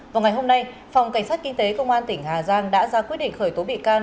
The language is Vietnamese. vào ngày hôm nay phòng cảnh sát kinh tế công an tỉnh hà giang đã ra quyết định khởi tố bị can